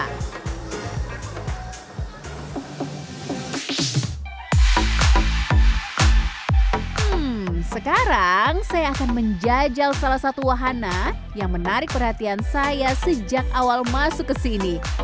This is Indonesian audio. hmm sekarang saya akan menjajal salah satu wahana yang menarik perhatian saya sejak awal masuk ke sini